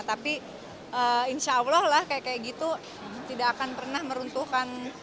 tapi insya allah lah kayak gitu tidak akan pernah meruntuhkan